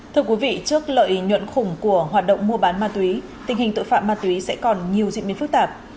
thưa quý vị trước lợi nhuận khủng của hoạt động mua bán ma túy tình hình tội phạm ma túy sẽ còn nhiều diễn biến phức tạp